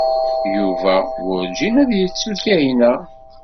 Yuba werǧin ad yettu Kahina.